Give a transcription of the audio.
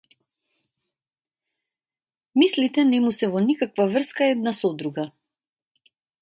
Мислите не му се во никаква врска една со друга.